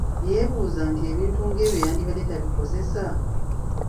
Yeebuuza nti ebintu ng’ebyo yandibadde tabikozesa?